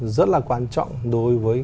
rất là quan trọng đối với